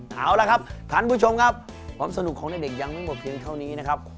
เอาละครับท่านผู้ชมครับความสนุกของเด็กยังไม่หมดเพียงเท่านี้นะครับ